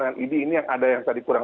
dengan id ini yang ada yang tadi kurang